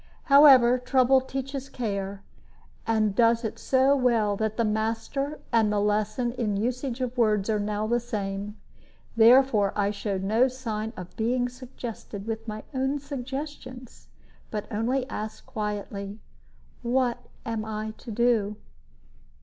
However, trouble teaches care, and does it so well that the master and the lesson in usage of words are now the same; therefore I showed no sign of being suggested with my own suggestions, but only asked, quietly, "What am I to do?"